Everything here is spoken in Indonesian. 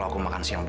hai tak campur